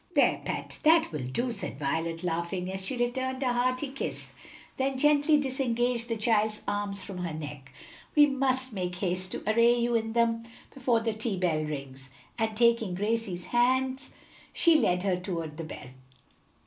"There, pet, that will do," said Violet, laughing, as she returned a hearty kiss, then gently disengaged the child's arms from her neck; "we must make haste to array you in them before the tea bell rings," and taking Gracie's hand, she led her toward the bed.